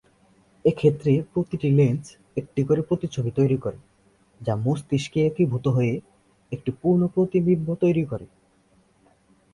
এক্ষেত্রে প্রতিটি লেন্স একটি করে প্রতিচ্ছবি তৈরি করে, যা মস্তিষ্কে একীভূত হয়ে একটি পূর্ণ প্রতিবিম্ব তৈরি করে।